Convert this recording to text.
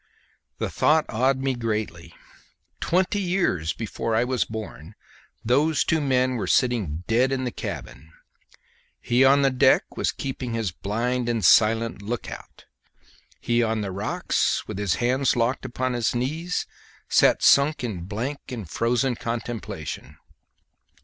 The thought awed me greatly: twenty years before I was born those two men were sitting dead in the cabin! he on deck was keeping his blind and silent look out; he on the rocks with his hands locked upon his knees sat sunk in blank and frozen contemplation!